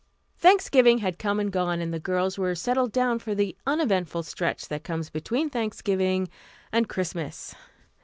Thanksgiving had come and gone, and the girls were settled down for the uneventful stretch that comes between Thanksgiving and Christmas.